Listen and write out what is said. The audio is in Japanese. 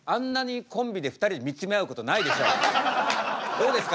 どうですか？